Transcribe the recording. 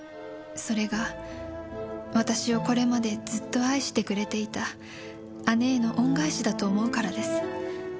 「それが私をこれまでずっと愛してくれていた姉への恩返しだと思うからです」